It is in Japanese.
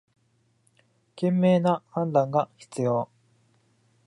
賢明な判断が必要